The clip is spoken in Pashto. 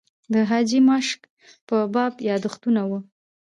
د حاجي ماشک په باب یاداښتونه و.